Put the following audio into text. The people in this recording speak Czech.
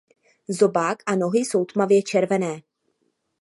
Zobák a nohy jsou tmavě červené.